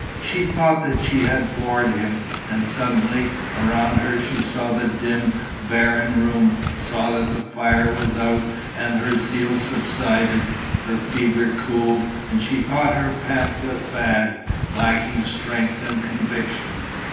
She thought that she had bored him. And suddenly, around her, she saw the dim, barren room, saw that the fire was out; and her zeal subsided, her fever cooled and she thought her pamphlet bad, lacking strength and conviction.